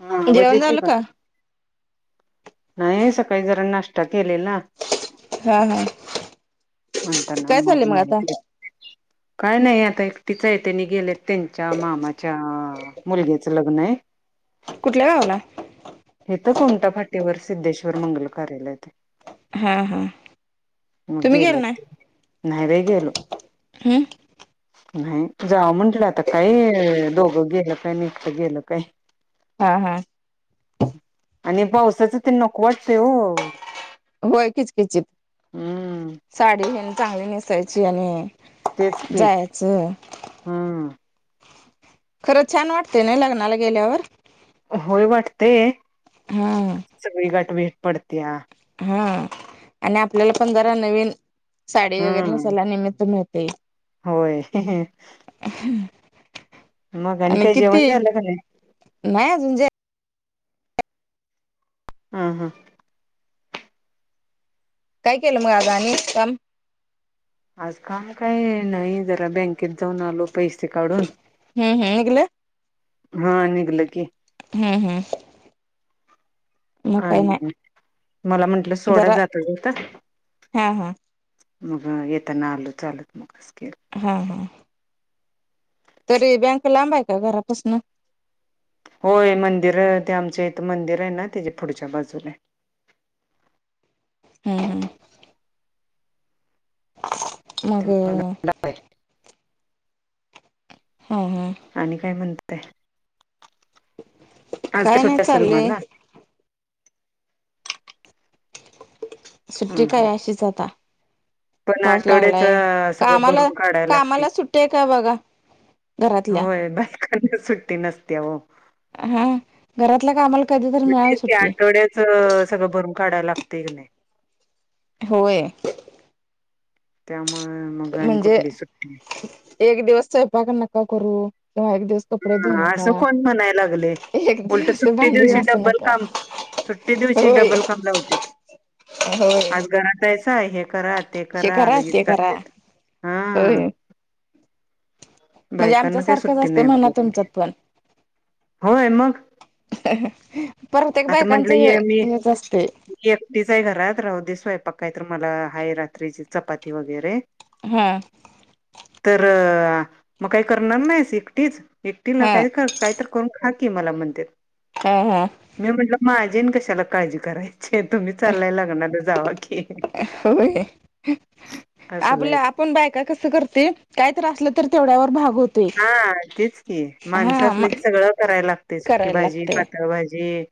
हा हॅलो आवाज जेवण येती झालं का? नाही सकाळी जरा नाश्ता केलेला. हा, हा. [unintelligible] ना काय चाललंय माझी मग आता [unintelligible] काय नाही [unintelligible] एक तिथंय त्यानी गेलेत त्यांच्या मामाच्या मुलग्याच लग्न आहे. कुठल्या गावाला? इथ कोमटा फाटीवर सिद्धेश्वर मंगल कार्यालयात. हं, हं. मग गेले ते. नाही बाई गेलो. हम्म नाही जाव म्हटलं आता काय दोघं गेलं काय अन एकटं गेलं काय. हा, हा. आणि पावसाच ते नको वाटतय ओ. होय किचकिचित साडी हेन चांगली नेसायची तेच आणि की जायाचं. हम्म खरंच छान वाटतेय ना लग्नाला गेल्यावर. होय वाटतयं हा हा आणि आपल्याला पण जरा नवीन साडी वगैरे हम्म नेसायला निमित्त मिळतय होय मग आणि काही जेवण किती झालं का नाही अजून जे हा हा काय केलं मग आज आणि काम आज काम काय नाही जरा बँकेत जाऊन आलो पैसे काढून हम्म हम् निघल हा निघल की हम्म हम्म मग काही आणि नाही मला म्हटलं सोडा जरा जाता जाता हा हा मग येेताना आलो चालत मग हा हा तरी बँक लांबाय का घरापासन होय मंदिर ते आमच इथं मंदिर आहे ना त्या पुढच्या बाजूला हाय हम् हम मग हा हा आणि काय म्हणताय आज काय नाही सुट्टी असेल चाललय मला? सुट्टी हं हं काय अशीच आता. पण फास आठवड्याच लागलाय सगळं कामाला, भरून काढायला लागते. कामाला सुट्टी का बघा. घरातल्या होय बायकांना सुट्टी नसत्या हो हा घरातला कामाला कधी तर मिळावी म्हणतेच ते सुट्टी आठवड्याच सगळं भरून काढायला लागते क नाही होय त्यामुळ म्हणजे एक दिवस स्वपाक नका करू किंवा एक दिवस कपडे धुऊ हा असं नका कोण म्हणाय लागलय एक उलट दिवस सुट्टी भांडी दिवशी घासू डब्बल नका काम सुट्टी दिवची होय डबल काम लावत्यात होय आज घरात आहे हे करा ते करा लगेच करते हा होय म्हणजे आमच्या बायकांना काही सारखंच सुट्टी असते नाही म्हणा ब तुमच्यात पण होय मग प्रत्येक आता बायकांचं म्हंटलं हे ये मी हेच असतय मी एकटीच आहे घरात राहू दे स्वयंपाक काय तर मला हाय रात्रीची चपाती वगैरे हा तर मग काही करणार नाहीस एकटीच एकटीला हा काही काहीत करून खा की मला म्हणत्यात हा हा मी म्हटलं मा कशाला काळजी करायची तुम्ही चाललायला लग्नाला जावा की होय असल आपल्या आहेत. आपण बायका कसं करतोय काय तर असलं तर तेवढ्यावर भाग होतोय हा तेच की हा माणसं असलं मग की सगळ करायला लागत सुकी करायला भाजी लागतय पातळ भाजी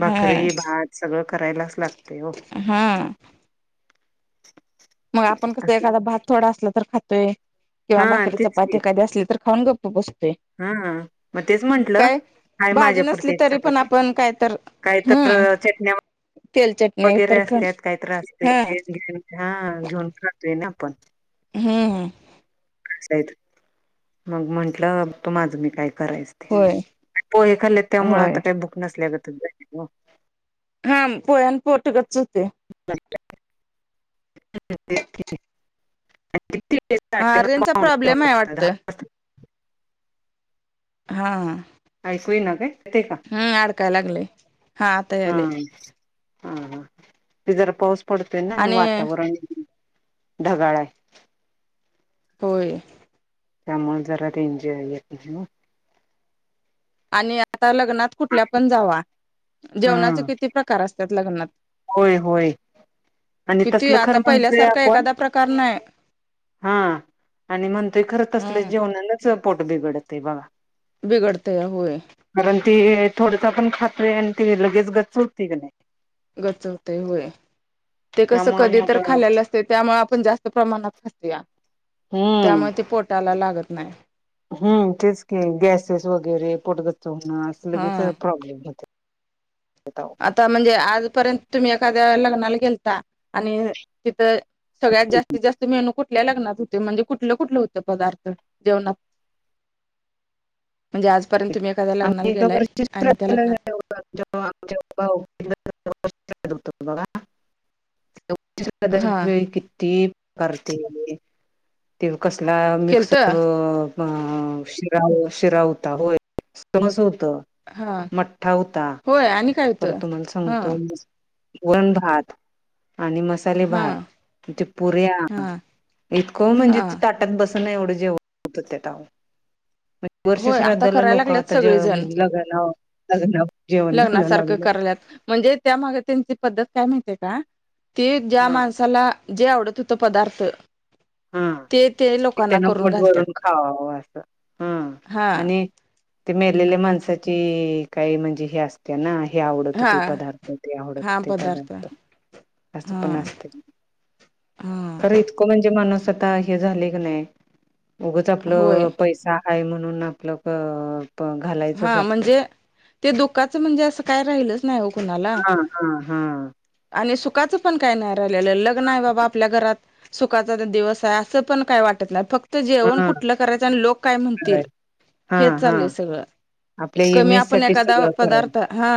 भाकरी हा भात सगळं करायलाच लागत हो हा मग आपण कसं असं एखादा भात थोडा असला तर खातोय किंवा हां भाकरी चपाती एखादी असली तर खाऊन गप हा मग तेच म्हंटलं काय हाय भाजी माझ्यापुरती नसली एक तरी पण चपाती आपण काय तर काही तर हम्म चटण्या तेल चटणी तर वगैरे असत ख काही तर असतंय हा ते घेऊन हा घेऊन खातोय ना आपण हम्म मग म्हंटलं तू माझं मी काय करायच ते होय पोहे खाल्ली त्यामुळे होय आता काही बुक नसल्या ग पोह्यान पोट गच्च होतेय [inaudible] हा रेंजचा प्रॉब्लेम आहे वाटतं [inaudible] हा ऐकई ना का? ते हम्म आडकायलागली हा आतायली हा हा वि जरा पाऊस पडत ना आणि वातावरण ढगाळ आहे. होय. त्यामुळे जरा ते एनजॉय येत नाही. आणि आता लग्नात कुठल्या पण जावा हा जेवणाचे किती प्रकार असतात लग्नात होय होय आणि किती तसल खर आता म्हणतोय पहिल्यासारखा आपण एखादा प्रकार नाही हा आणि म्हणतोय खरं तसलं हम्म जेवणालाच पोट बिघडत बघा. बिगडते या होय. ती थोडसा पण खात्री आहे आणि ती लगेच गच चुती क नाही. गचवते हय. ते कसं त्यामुळे कधी तर मग खाल्यलं असते त्यामुळे आपण जास्त प्रमाणात खासूया. हम्म त्यामुळे ते पोटायला लागत नाही. हम्म तेच क गॅसेस वगैरे पोटगच च होण अस लगेच हा प्रॉब्लेम होते. आता म्हणजे आजपर्यंत तुम्ही एखाद्या लग्नाला गेलता आणि तिथं. सगळ्यातस्तस्त मेनू कुठल्या लग्नात होते म्हणजे कुठलं कुठलं होत पदार्थ जेवणात म्हणजे आज आम्ही ए वर्च लग्नात बघा. हा कती करते ते कसला मिक्स केलत शिरा शिरा होता होय सह हो. हा मठ्ठा होता होय आणि काय पर होतं तुम्हाला हा सांगतो. वरण, भात आणि मसाले हा भात ते पुऱ्या हा इतकं म्हणजे हा त ताटात बस. एवढ जेवत होय वर्षला आता करायला लोक लागल्यात त्या सगळेजण म्हणजे लग्न लग्न लग्नासारखं कराल्यात म्हणजे त्यामागे त्यांची पद्धत काय माहिती का? ते ज्या हा माणसाला जे आवडत होत पदार्थ हम ते ते लोकांना त्यांना करून गोट घालतात भरून खावा असं हम हा आणि ते मेरलेल्या माणसाची काही म्हणजे हे असते. त्यां ना हे आवडत हो हा ते पदार्थ ते आवडत हो ते पदार्थ अस हा पण असते खरं हा इतकं म्हणजे मन हे झा नाही उ होय आपलं पै आहे म्ह. नून आपलक हा म्हणजे ते दुःखाच म्हणजे अस काय राहिलच नाही. कणाला हा हा हा आणि सुखचं पण काय नाही राहिलेलं लग्न आहे बाबा आपल्या घरात सुखाचा दिवस आहे असं पण काय वाटत नाही फक्त तर जेवण हा कुठलं करायचं आणि लोक काय म्हणतील हा हेच हा चाललंय सगळं. आपल्या कमी इमेज आपण साठी एकादावा सगळं करायच पदार्थ हा.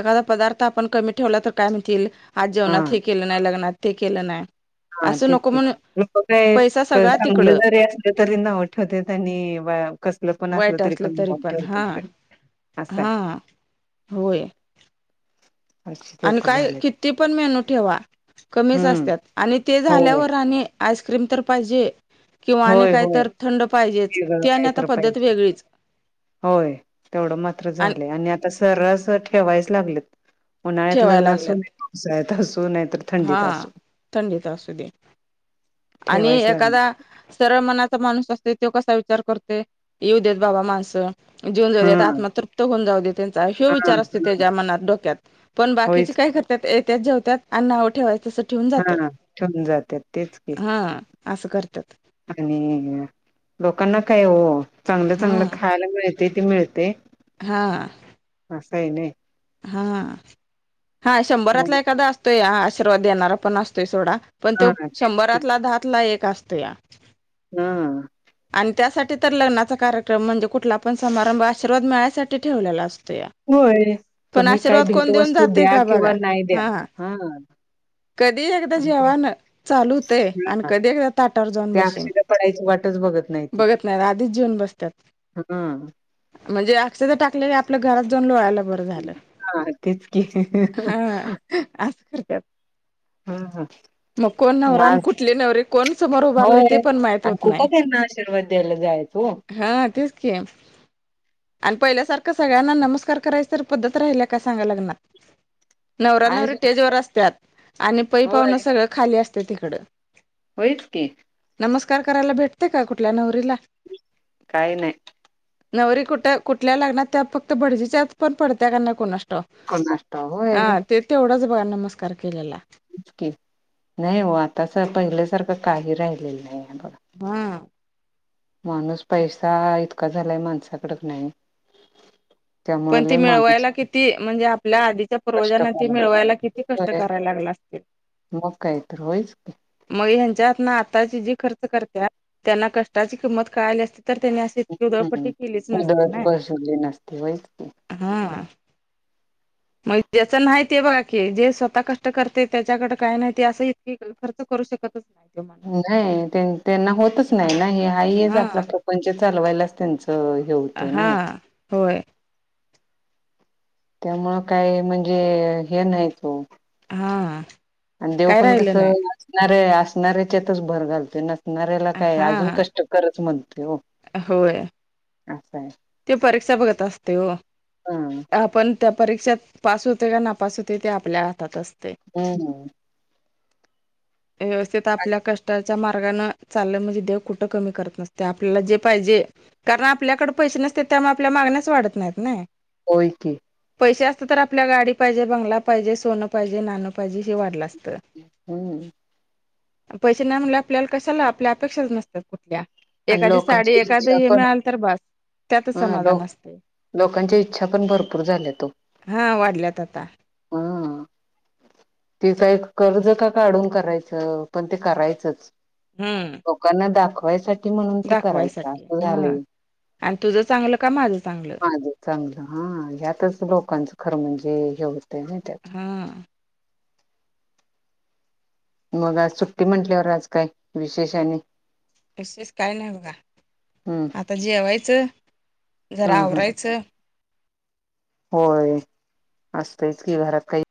एखा पदार्थ आपण क ठेव तर काय आ जेवण हा हे केलं नाही लगनात. ते केलं नाही. हा असं तेच नको क म्हणून लक काय पैसा सगळा चांगलं तिकडं जरी असलं तरी नाठवते आणि कसल पण असलं तरी पण पण हा ठेवतात असं आहे हा होय. अशी आणि लोक काय झालेत किती पण मेनू ठेवा कमीच हम्म असतात आणि ते होय झाल्यावर आणि आईस्क्रीम तर पाहिजे किंवा आणि होय काहीत होय थंड पाहिजेच वेगळं ती आणि आता काहीतर पद्धत पाहिजे वेगळीच होय तेवढं मात्र झालय आणि आता सरस ठेवायच. न्हाळ्यात लग् ठेवायला अस लागल्यात नाय पावळ्यात आसो हा थंडीत असू दे आणि ठेवायच लागले एखादा सरळ मनाचा माणूस असते तो कसा विचार कररतोय येऊ देत बाबा माणसं जेऊन हा जाऊ त आत्माा तृप्त जाऊ दे त्यांचा हो हा हा विचार असतो त्याच्या मनात डोक्यात पण बाकीचे होयच काय करतात येत्याच जेवत्यात अ्व ठेवाय हा ठेवून जातात तेच के हा असं करतात आणि लोकांना काय हो चांगलं हा चांगलं खायला मिळतय ते मिळतय हा आस हय नाय हा हा मग शंभरातला एखादा असतोय हा आशीर्वाद देणारा पण असतोय सोडा पण तो हा तेच शंभरातला दातला एक असतो या हुम आणि त्यासाठी तर लग्नाचा कार्यक्रम म्हणजे कुठला पण समारंभ आशीर्वाद मिळायसाठी ठेवलेला असतो होय पण तुम्ही काय आशीर्वाद कोण देऊन भेटवस्तू जातय द्या का किंवा बघा नाही द्या हा कधी एकदा आणि ते जेवण चालूतय आणि हा कधी एकदा ताटा वर जाऊन ते बसीन अक्षदा पडायची वाटच बघत ती बघत नाही आधीच जिवुन बसत्यात हा म्हणजे अक्षदा टाकलेल्या आत आपल्या घरात लोळाय बर झाल हा तेच की हा अस करत्यात ह मग कोण नवरा आणि माझ कुठली नवरी कोण समोर उभरालय ते होय सुदा माहित आणि होत नाही कुठं त्यांना आशीर्वाद द्यायला जायच हो हा तेच की आणि पहिल्या सारख सगळ्यांना नमस्कार करायचं तर पद्धत राहिल्या का सांगा लग्नात नवरा काय नवरी सुद्धा टेजवरर असतात आणि पै पाहुण सगळ खाली असत इकड होईच की नमस्कार करायला भेटते का कुठल्या नवरीला काही नाही नवरी कुठ कुठल्या लग्नात त्या फक्त भडजीच्याच पण पडत्या का नाय कुणाश्टा व कोणाष्ट होय हा एवढच बघा नमस्कार केलेला इकी नाही हो आता पहिल्यासारखं काही राहिलेलं नाही बघा. हा माणूस पैसा इतका झालाय माणसाकडे का नाही पण त्यामुळे ती लय माणूस मिळवायला किती म्हणजे आपल्या आधीच्या कष्ट पूर्वजांना त मिळवायला किती कष्ट कराय करायला लागला असत ते मग काय तर होयच की मग ह्यांच्या हात ना आताची जी खर्च करत्यात त्यांना कष्टाची किंमत कळाली असते तर त्यांनी असं इत उदळपट्टी हम्म. केलीच नसते उधळत ना बसवली नसती होयच की हा मग ज्याच नाही ते बघा की जे स्वतः कष्ट करते त्याच्याकडे काही नाही ते असं इतकी खर्च करू शकत नाही त्यांना होतच नाही ना हे हाच हा आपला प्रपंच चालवायलाच त्यांचा अ हे होते ना हा होय त्यामुळ काय म्हणजे हे नाहीच वो हा आणि देव काय पण कस राहिलं नाही असणारे असणारऱ्याच्यातच भर घालत न णाऱ्याला काय हा अजून कष्ट करच मण होय आहे. ते परीक्षा बघत असते हो हा. आपण त्या परीक्षेत पास होते का ना पास होते ते आपल्या हातात असते हम व्यवस्थित आपल्या कष्टा म चा म्हणजे दे कुठ क करत नते आपल्याला जे पाहिजे कारण आपल्याकडडे पै न त्यामुळे आपल्या मागण्यास वाढत नाहीत नाही हो क पैसे असतात तर आपल्याला गाडी पाहिजे बंगला पाहिजे सोनं पाहिजे नाणं पाहिजे हे वाढलं असतं हम्म पैसे नाही म्हणले आपल्याला कशाला आपल्या अपेक्षाच नसतात कुठल्या. आणि एखादी साडी लोकांची एखाद इच्छा हे पण मिळाल तर बास. त्यातच हा समाधान लोक. असते लोकांच्या इच्छा पण भरपूर झाल्यात ओ. हा वाढल्यात आता. तिचा एक कर्ज का काढून करायचं, पण ते करायचंच. हम्म लोकांना दाखवायसाठी म्हणून ते करायचं दाखवायसाठी असं हा झालय. आणि तुझं चांगलं का माझं चांगलं माझं चांगलं हा यातच लोकांचं खरं म्हणजे एवढ ते नई त्यात हा मग आज सुट्टी म्हंटल्यावर आज काय, विशेष आणि? विशेष काय नाही बघा. हम्म आता जेवायचं जरा हम्म हम्म आवरायचं होय असत इत कि घरात काही